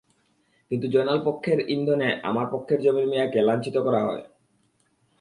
কিন্তু জয়নাল পক্ষের ইন্ধনে আমার পক্ষের জমির মিয়াকে লাঞ্ছিত করা হয়।